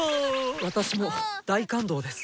私も大感動です。